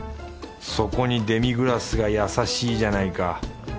そこにデミグラスが優しいじゃないか。